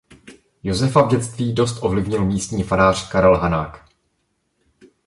Josefa v dětství dost o ovlivnil místní farář Karel Hanák.